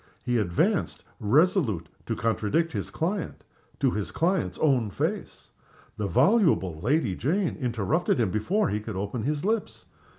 He advanced, resolute to contradict his client, to his client's own face. The voluble Lady Jane interrupted him before he could open his lips.